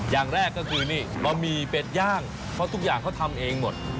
อย่างแรกก็คือนี่บะหมี่เป็ดย่างเพราะทุกอย่างเขาทำเองหมด